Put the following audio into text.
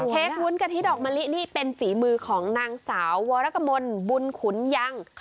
วุ้นกะทิดอกมะลินี่เป็นฝีมือของนางสาววรกมลบุญขุนยัง